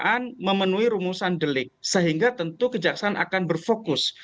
kejaksaan memenuhi rumusan delik sehingga tentu kejaksaan akan berfokus